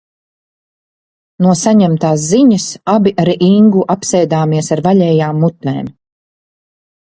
No saņemtās ziņas abi ar Ingu apsēdāmies ar vaļējām mutēm.